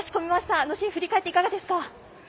あのシーン振り返っていかがですか。